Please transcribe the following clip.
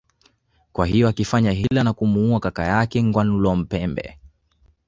Kwa hiyo akafanya hila na kumuua kaka yake Ngawonalupembe